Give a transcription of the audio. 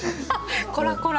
こらこら。